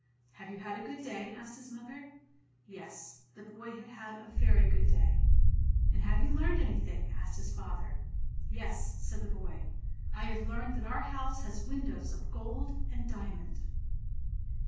"Have you had a good day?" asked his mother. Yes, the boy had had a very good day. "And have you learned anything?" asked his father. "Yes!" said the boy. "I have learned that our house has windows of gold and diamond."